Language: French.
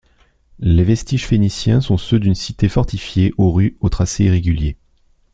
Les vestiges phéniciens sont ceux d'une cité fortifiée aux rues au tracé irrégulier.